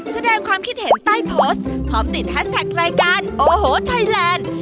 แสดงความคิดเห็นใต้โพสต์พร้อมติดแฮชแท็กรายการโอ้โหไทยแลนด์